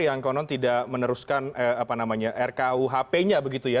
yang konon tidak meneruskan rkuhp nya begitu ya